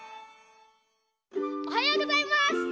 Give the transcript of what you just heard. おはようございます！